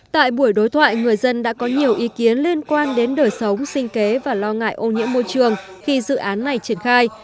tại buổi đối thoại người dân đã có nhiều ý kiến liên quan đến đời sống sinh kế và lo ngại ô nhiễm môi trường khi dự án này triển khai